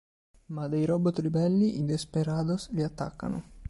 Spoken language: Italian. Ma dei robot ribelli, i desperados, li attaccano.